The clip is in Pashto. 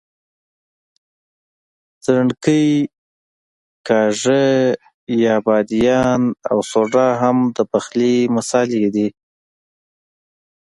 ځڼکۍ، کاږه یا بادیان او سوډا هم د پخلي مسالې دي.